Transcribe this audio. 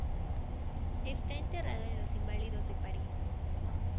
Está enterrado en Los Inválidos de París.